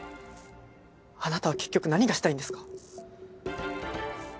あなたは結局何がしたいんですか？